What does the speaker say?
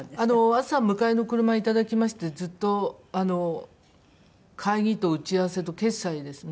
朝迎えの車いただきましてずっとあの会議と打ち合わせと決裁ですね。